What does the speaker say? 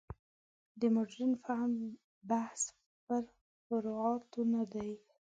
د مډرن فهم بحث پر فروعاتو نه دی.